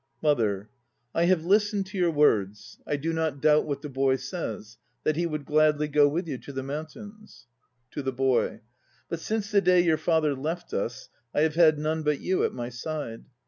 MOTHER. I have listened to your words. I do not doubt what the boy says, that he would gladly go with you to the mountains: (to the BOY) but since the day your father left us I have had none but you at my side.